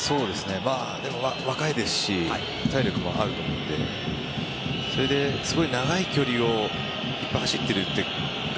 若いですし体力もあると思うのですごい長い距離をいっぱい走っている。